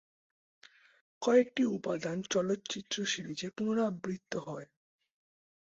কয়েকটি উপাদান চলচ্চিত্র সিরিজে পুনরাবৃত্ত হয়।